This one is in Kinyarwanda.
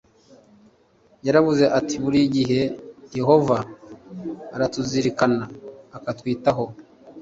yaravuze ati buri gihe yehova aratuzirikana akatwitaho